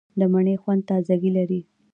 د مڼې خوند تازهګۍ لري.